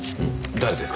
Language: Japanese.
誰ですか？